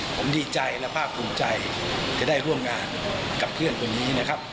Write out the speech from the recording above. ผมดีใจและภาคภูมิใจจะได้ร่วมงานกับเพื่อนคนนี้นะครับ